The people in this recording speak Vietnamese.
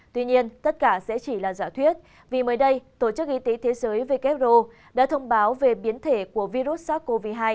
tuy nhiên tất cả sẽ chỉ là giả thuyết vì mới đây tổ chức y tế thế giới wo đã thông báo về biến thể của virus sars cov hai